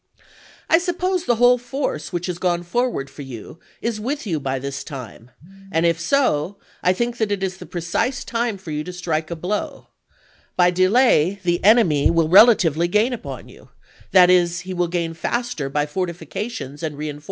I suppose the whole force which has gone forward for you is with you by this time, and if so, I think it is the precise time for you to strike a blow. By delay the enemy will relatively gain upon you — that is, he will gain faster by fortifications and reenforcements than you can by reen forcements alone.